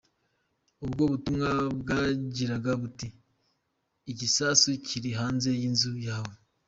Ubwo butumwa bwagiraga buti, “igisasu kiri hanze y’inzu yawe.